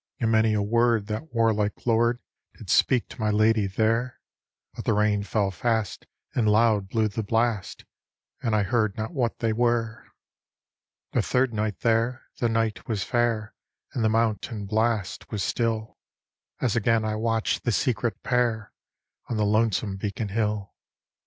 "And many a word that warlike lord Did speak to my lady there; But the rain fell fast and loud blew the blast, And I heard not what they were. " The third night there, the night was fair, And the mountain blast was still, As ^ain I watch'd the secret pair. On the lonesome Beacon Hill.